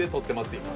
今。